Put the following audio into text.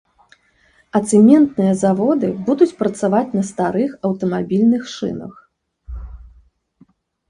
А цэментныя заводы будуць працаваць на старых аўтамабільных шынах.